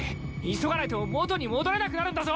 急がないと元に戻れなくなるんだぞ！